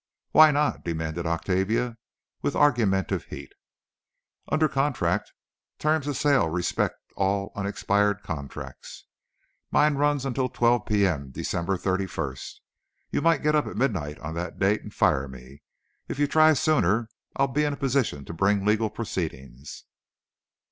"Why not?" demanded Octavia, with argumentative heat. "Under contract. Terms of sale respect all unexpired contracts. Mine runs until 12 P. M., December thirty first. You might get up at midnight on that date and fire me. If you try it sooner I'll be in a position to bring legal proceedings."